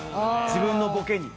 自分のボケに。